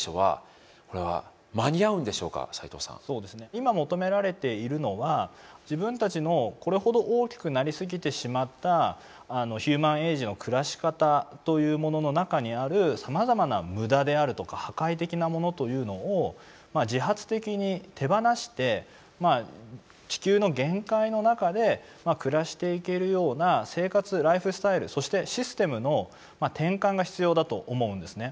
今求められているのは自分たちのこれほど大きくなりすぎてしまったヒューマン・エイジの暮らし方というものの中にあるさまざまな無駄であるとか破壊的なものというのを自発的に手放して地球の限界の中で暮らしていけるような生活ライフスタイルそしてシステムの転換が必要だと思うんですね。